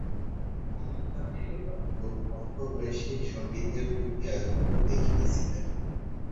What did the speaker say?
অনন্যা বিড়লা খুব অল্প বয়সেই সংগীতের প্রতি আগ্রহ দেখিয়েছিলেন।